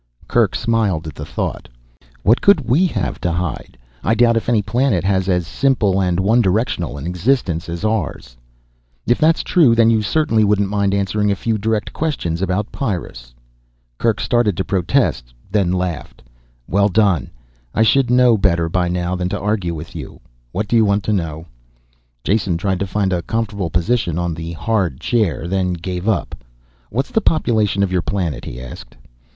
Kerk smiled at the thought. "What could we have to hide? I doubt if any planet has as simple and one directional an existence as ours." "If that's true, then you certainly wouldn't mind answering a few direct questions about Pyrrus?" Kerk started to protest, then laughed. "Well done. I should know better by now than to argue with you. What do you want to know?" Jason tried to find a comfortable position on the hard chair, then gave up. "What's the population of your planet?" he asked.